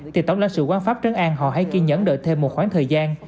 thì tổng lãnh sự quán pháp trấn an họ hay kiên nhẫn đợi thêm một khoảng thời gian